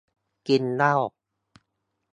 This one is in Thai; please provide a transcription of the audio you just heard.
กินเหล้า